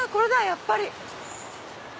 やっぱり。